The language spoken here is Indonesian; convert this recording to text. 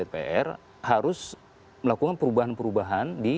dpr harus melakukan perubahan perubahan